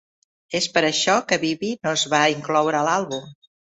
És per això que Bibi no es va incloure a l'àlbum.